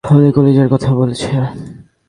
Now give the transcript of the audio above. আমাদের কলিজার কথা বলেছে।